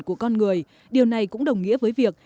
của con người điều này cũng đồng nghĩa với việc